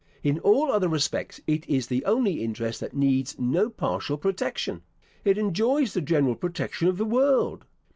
In all other respects it is the only interest that needs no partial protection. It enjoys the general protection of the world.